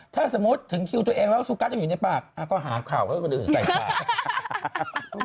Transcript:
ถ้าสมมติถึงตัวเองแล้วสกัสจะอยู่ในปากก็หาข่าวเพื่อคนอื่นใส่ตาย